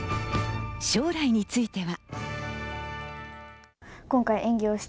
将来については。